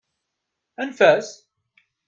Anef-as!